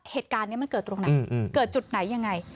เหตุการณ์นี้มันเกิดตรงไหนเกิดจุดไหนยังไง